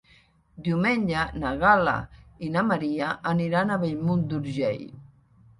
Diumenge na Gal·la i na Maria aniran a Bellmunt d'Urgell.